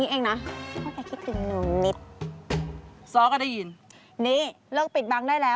ห้าอะไรนะ